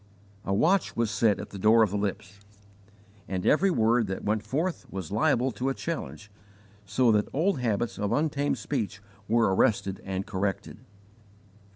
A watch was set at the door of the lips, and every word that went forth was liable to a challenge, so that old habits of untamed speech were arrested and corrected.